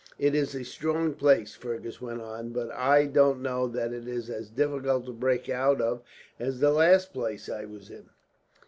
"It is a strong place," Fergus went on, "but I don't know that it is as difficult to break out of as the last place I was in."